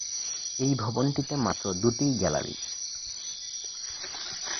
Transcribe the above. এই ভবনটিতে মাত্র দু'টি গ্যালারি।